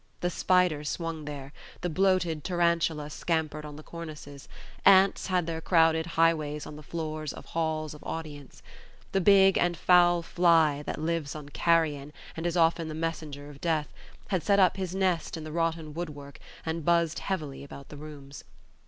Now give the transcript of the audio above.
The spider swung there; the bloated tarantula scampered on the cornices; ants had their crowded highways on the floor of halls of audience; the big and foul fly, that lives on carrion and is often the messenger of death, had set up his nest in the rotten woodwork, and buzzed heavily about the rooms.